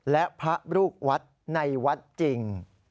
และพระลูกวัดในวัดจริง